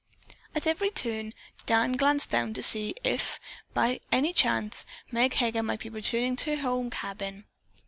At every turn Dan glanced down to see if, by any chance, Meg Heger might be returning to her home cabin.